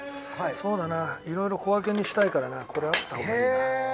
そうだな色々小分けにしたいからなこれあった方がいいな。